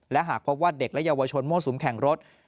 และหากเพราะว่าเด็กและเยาวชนโมสุมแข่งรถ